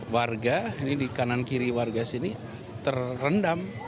warga ini di kanan kiri warga sini terendam